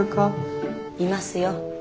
いますよ。